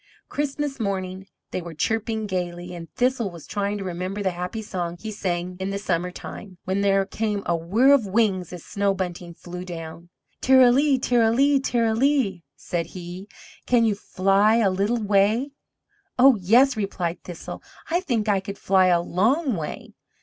Christmas morning they were chirping gaily, and Thistle was trying to remember the happy song he sang in the summer time, when there came a whirr of wings as Snow Bunting flew down. "Ter ra lee, ter ra lee, ter ra lee," said he, "can you fly a little way?" "Oh, yes," replied Thistle. "I THINK I could fly a LONG way."